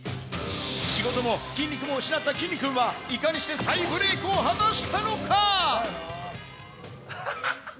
仕事も筋肉も失ったきんに君は、いかにして再ブレークを果たしたのか？